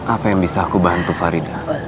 apa yang bisa aku bantu farida